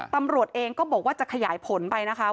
ตำรวจเองก็บอกว่าจะขยายผลไปนะคะ